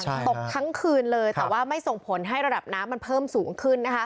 ตกทั้งคืนเลยแต่ว่าไม่ส่งผลให้ระดับน้ำมันเพิ่มสูงขึ้นนะคะ